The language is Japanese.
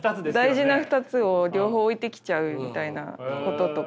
大事な２つを両方置いてきちゃうみたいなこととか。